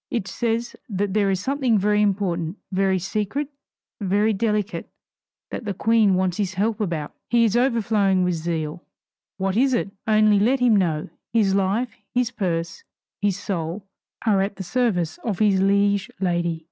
It says that there is something very important, very secret, very delicate, that the queen wants his help about. He is overflowing with zeal. What is it? Only let him know his life, his purse, his soul, are at the service of his liege lady.